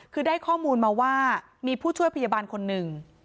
คือได้ข้อมูลมาว่ามีผู้ช่วยพยาบาลคนหนึ่ง